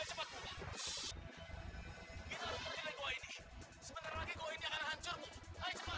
cepet kalau nggak rencana itu kelihatan bau ya ya ya ya